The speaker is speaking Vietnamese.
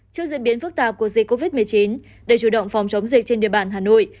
trước diễn biến phức tạp của dịch covid một mươi chín để chủ động phòng chống dịch trên địa bàn hà nội